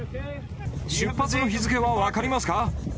出発の日付は分かりますか？